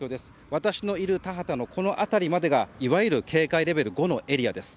私のいる田畑のこの辺りまでがいわゆる警戒レベル５のエリアです。